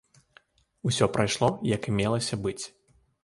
Усё прайшло, як і мелася быць.